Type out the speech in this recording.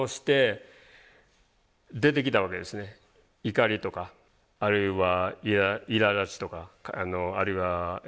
怒りとかあるいはいらだちとかあるいはうつですよね。